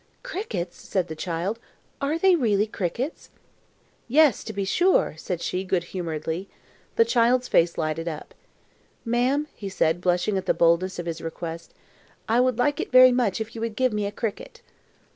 "Crickets!" said the child; "are they really crickets?" "Yes, to be sure," said she, good humouredly. The child's face lighted up. "Ma'am," said he, blushing at the boldness of his request, "I would like it very much if you would give me a cricket."